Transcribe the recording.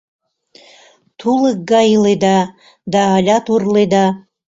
Тулык гай иледа да алят урледа.